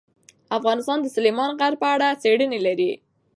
افغانستان د سلیمان غر په اړه څېړنې لري.